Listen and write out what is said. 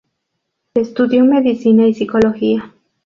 Estudió medicina y psicología.